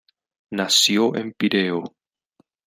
Nació en Pireo.